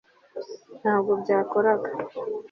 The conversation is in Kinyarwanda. ntabwo byakoraga